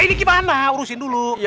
ini gimana urusin dulu